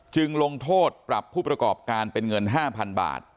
ลงโทษปรับผู้ประกอบการเป็นเงิน๕๐๐๐บาท